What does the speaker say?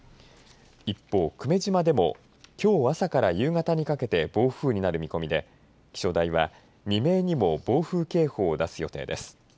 一方、久米島でもきょう朝から夕方にかけて暴風になる見込みで気象台は未明にも暴風警報を出す予定です。